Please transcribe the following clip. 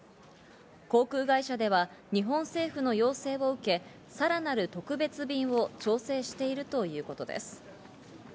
航空会社では日本政府の要請を受け、さらなる特別便を調整しているということです。